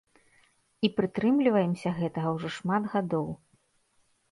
І прытрымліваемся гэтага ўжо шмат гадоў.